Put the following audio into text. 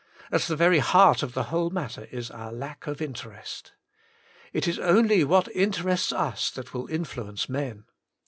At the very heart of the whole matter is our lack of interest. It is only what interests us that will influence men.